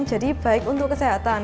jadi baik untuk kesehatan